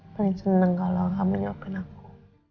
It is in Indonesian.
paling seneng kalo gak menyebabkan aku